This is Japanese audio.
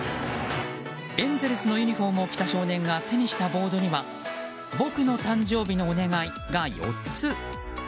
エンゼルスのユニホームを着た少年が手にしたボードには「僕の誕生日のお願い」が４つ。